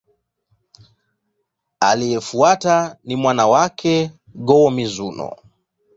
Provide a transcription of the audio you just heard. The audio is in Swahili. Aliyemfuata ni mwana wake, Go-Mizunoo.